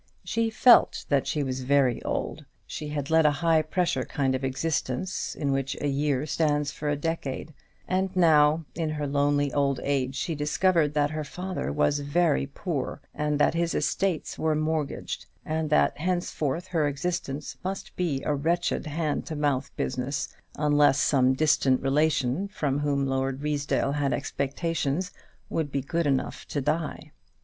She felt that she was very old. She had led a high pressure kind of existence, in which a year stands for a decade; and now in her lonely old age she discovered that her father was very poor, and that his estates were mortgaged, and that henceforth her existence must be a wretched hand to mouth business, unless some distant relation, from whom Lord Ruysdale had expectations, would be good enough to die.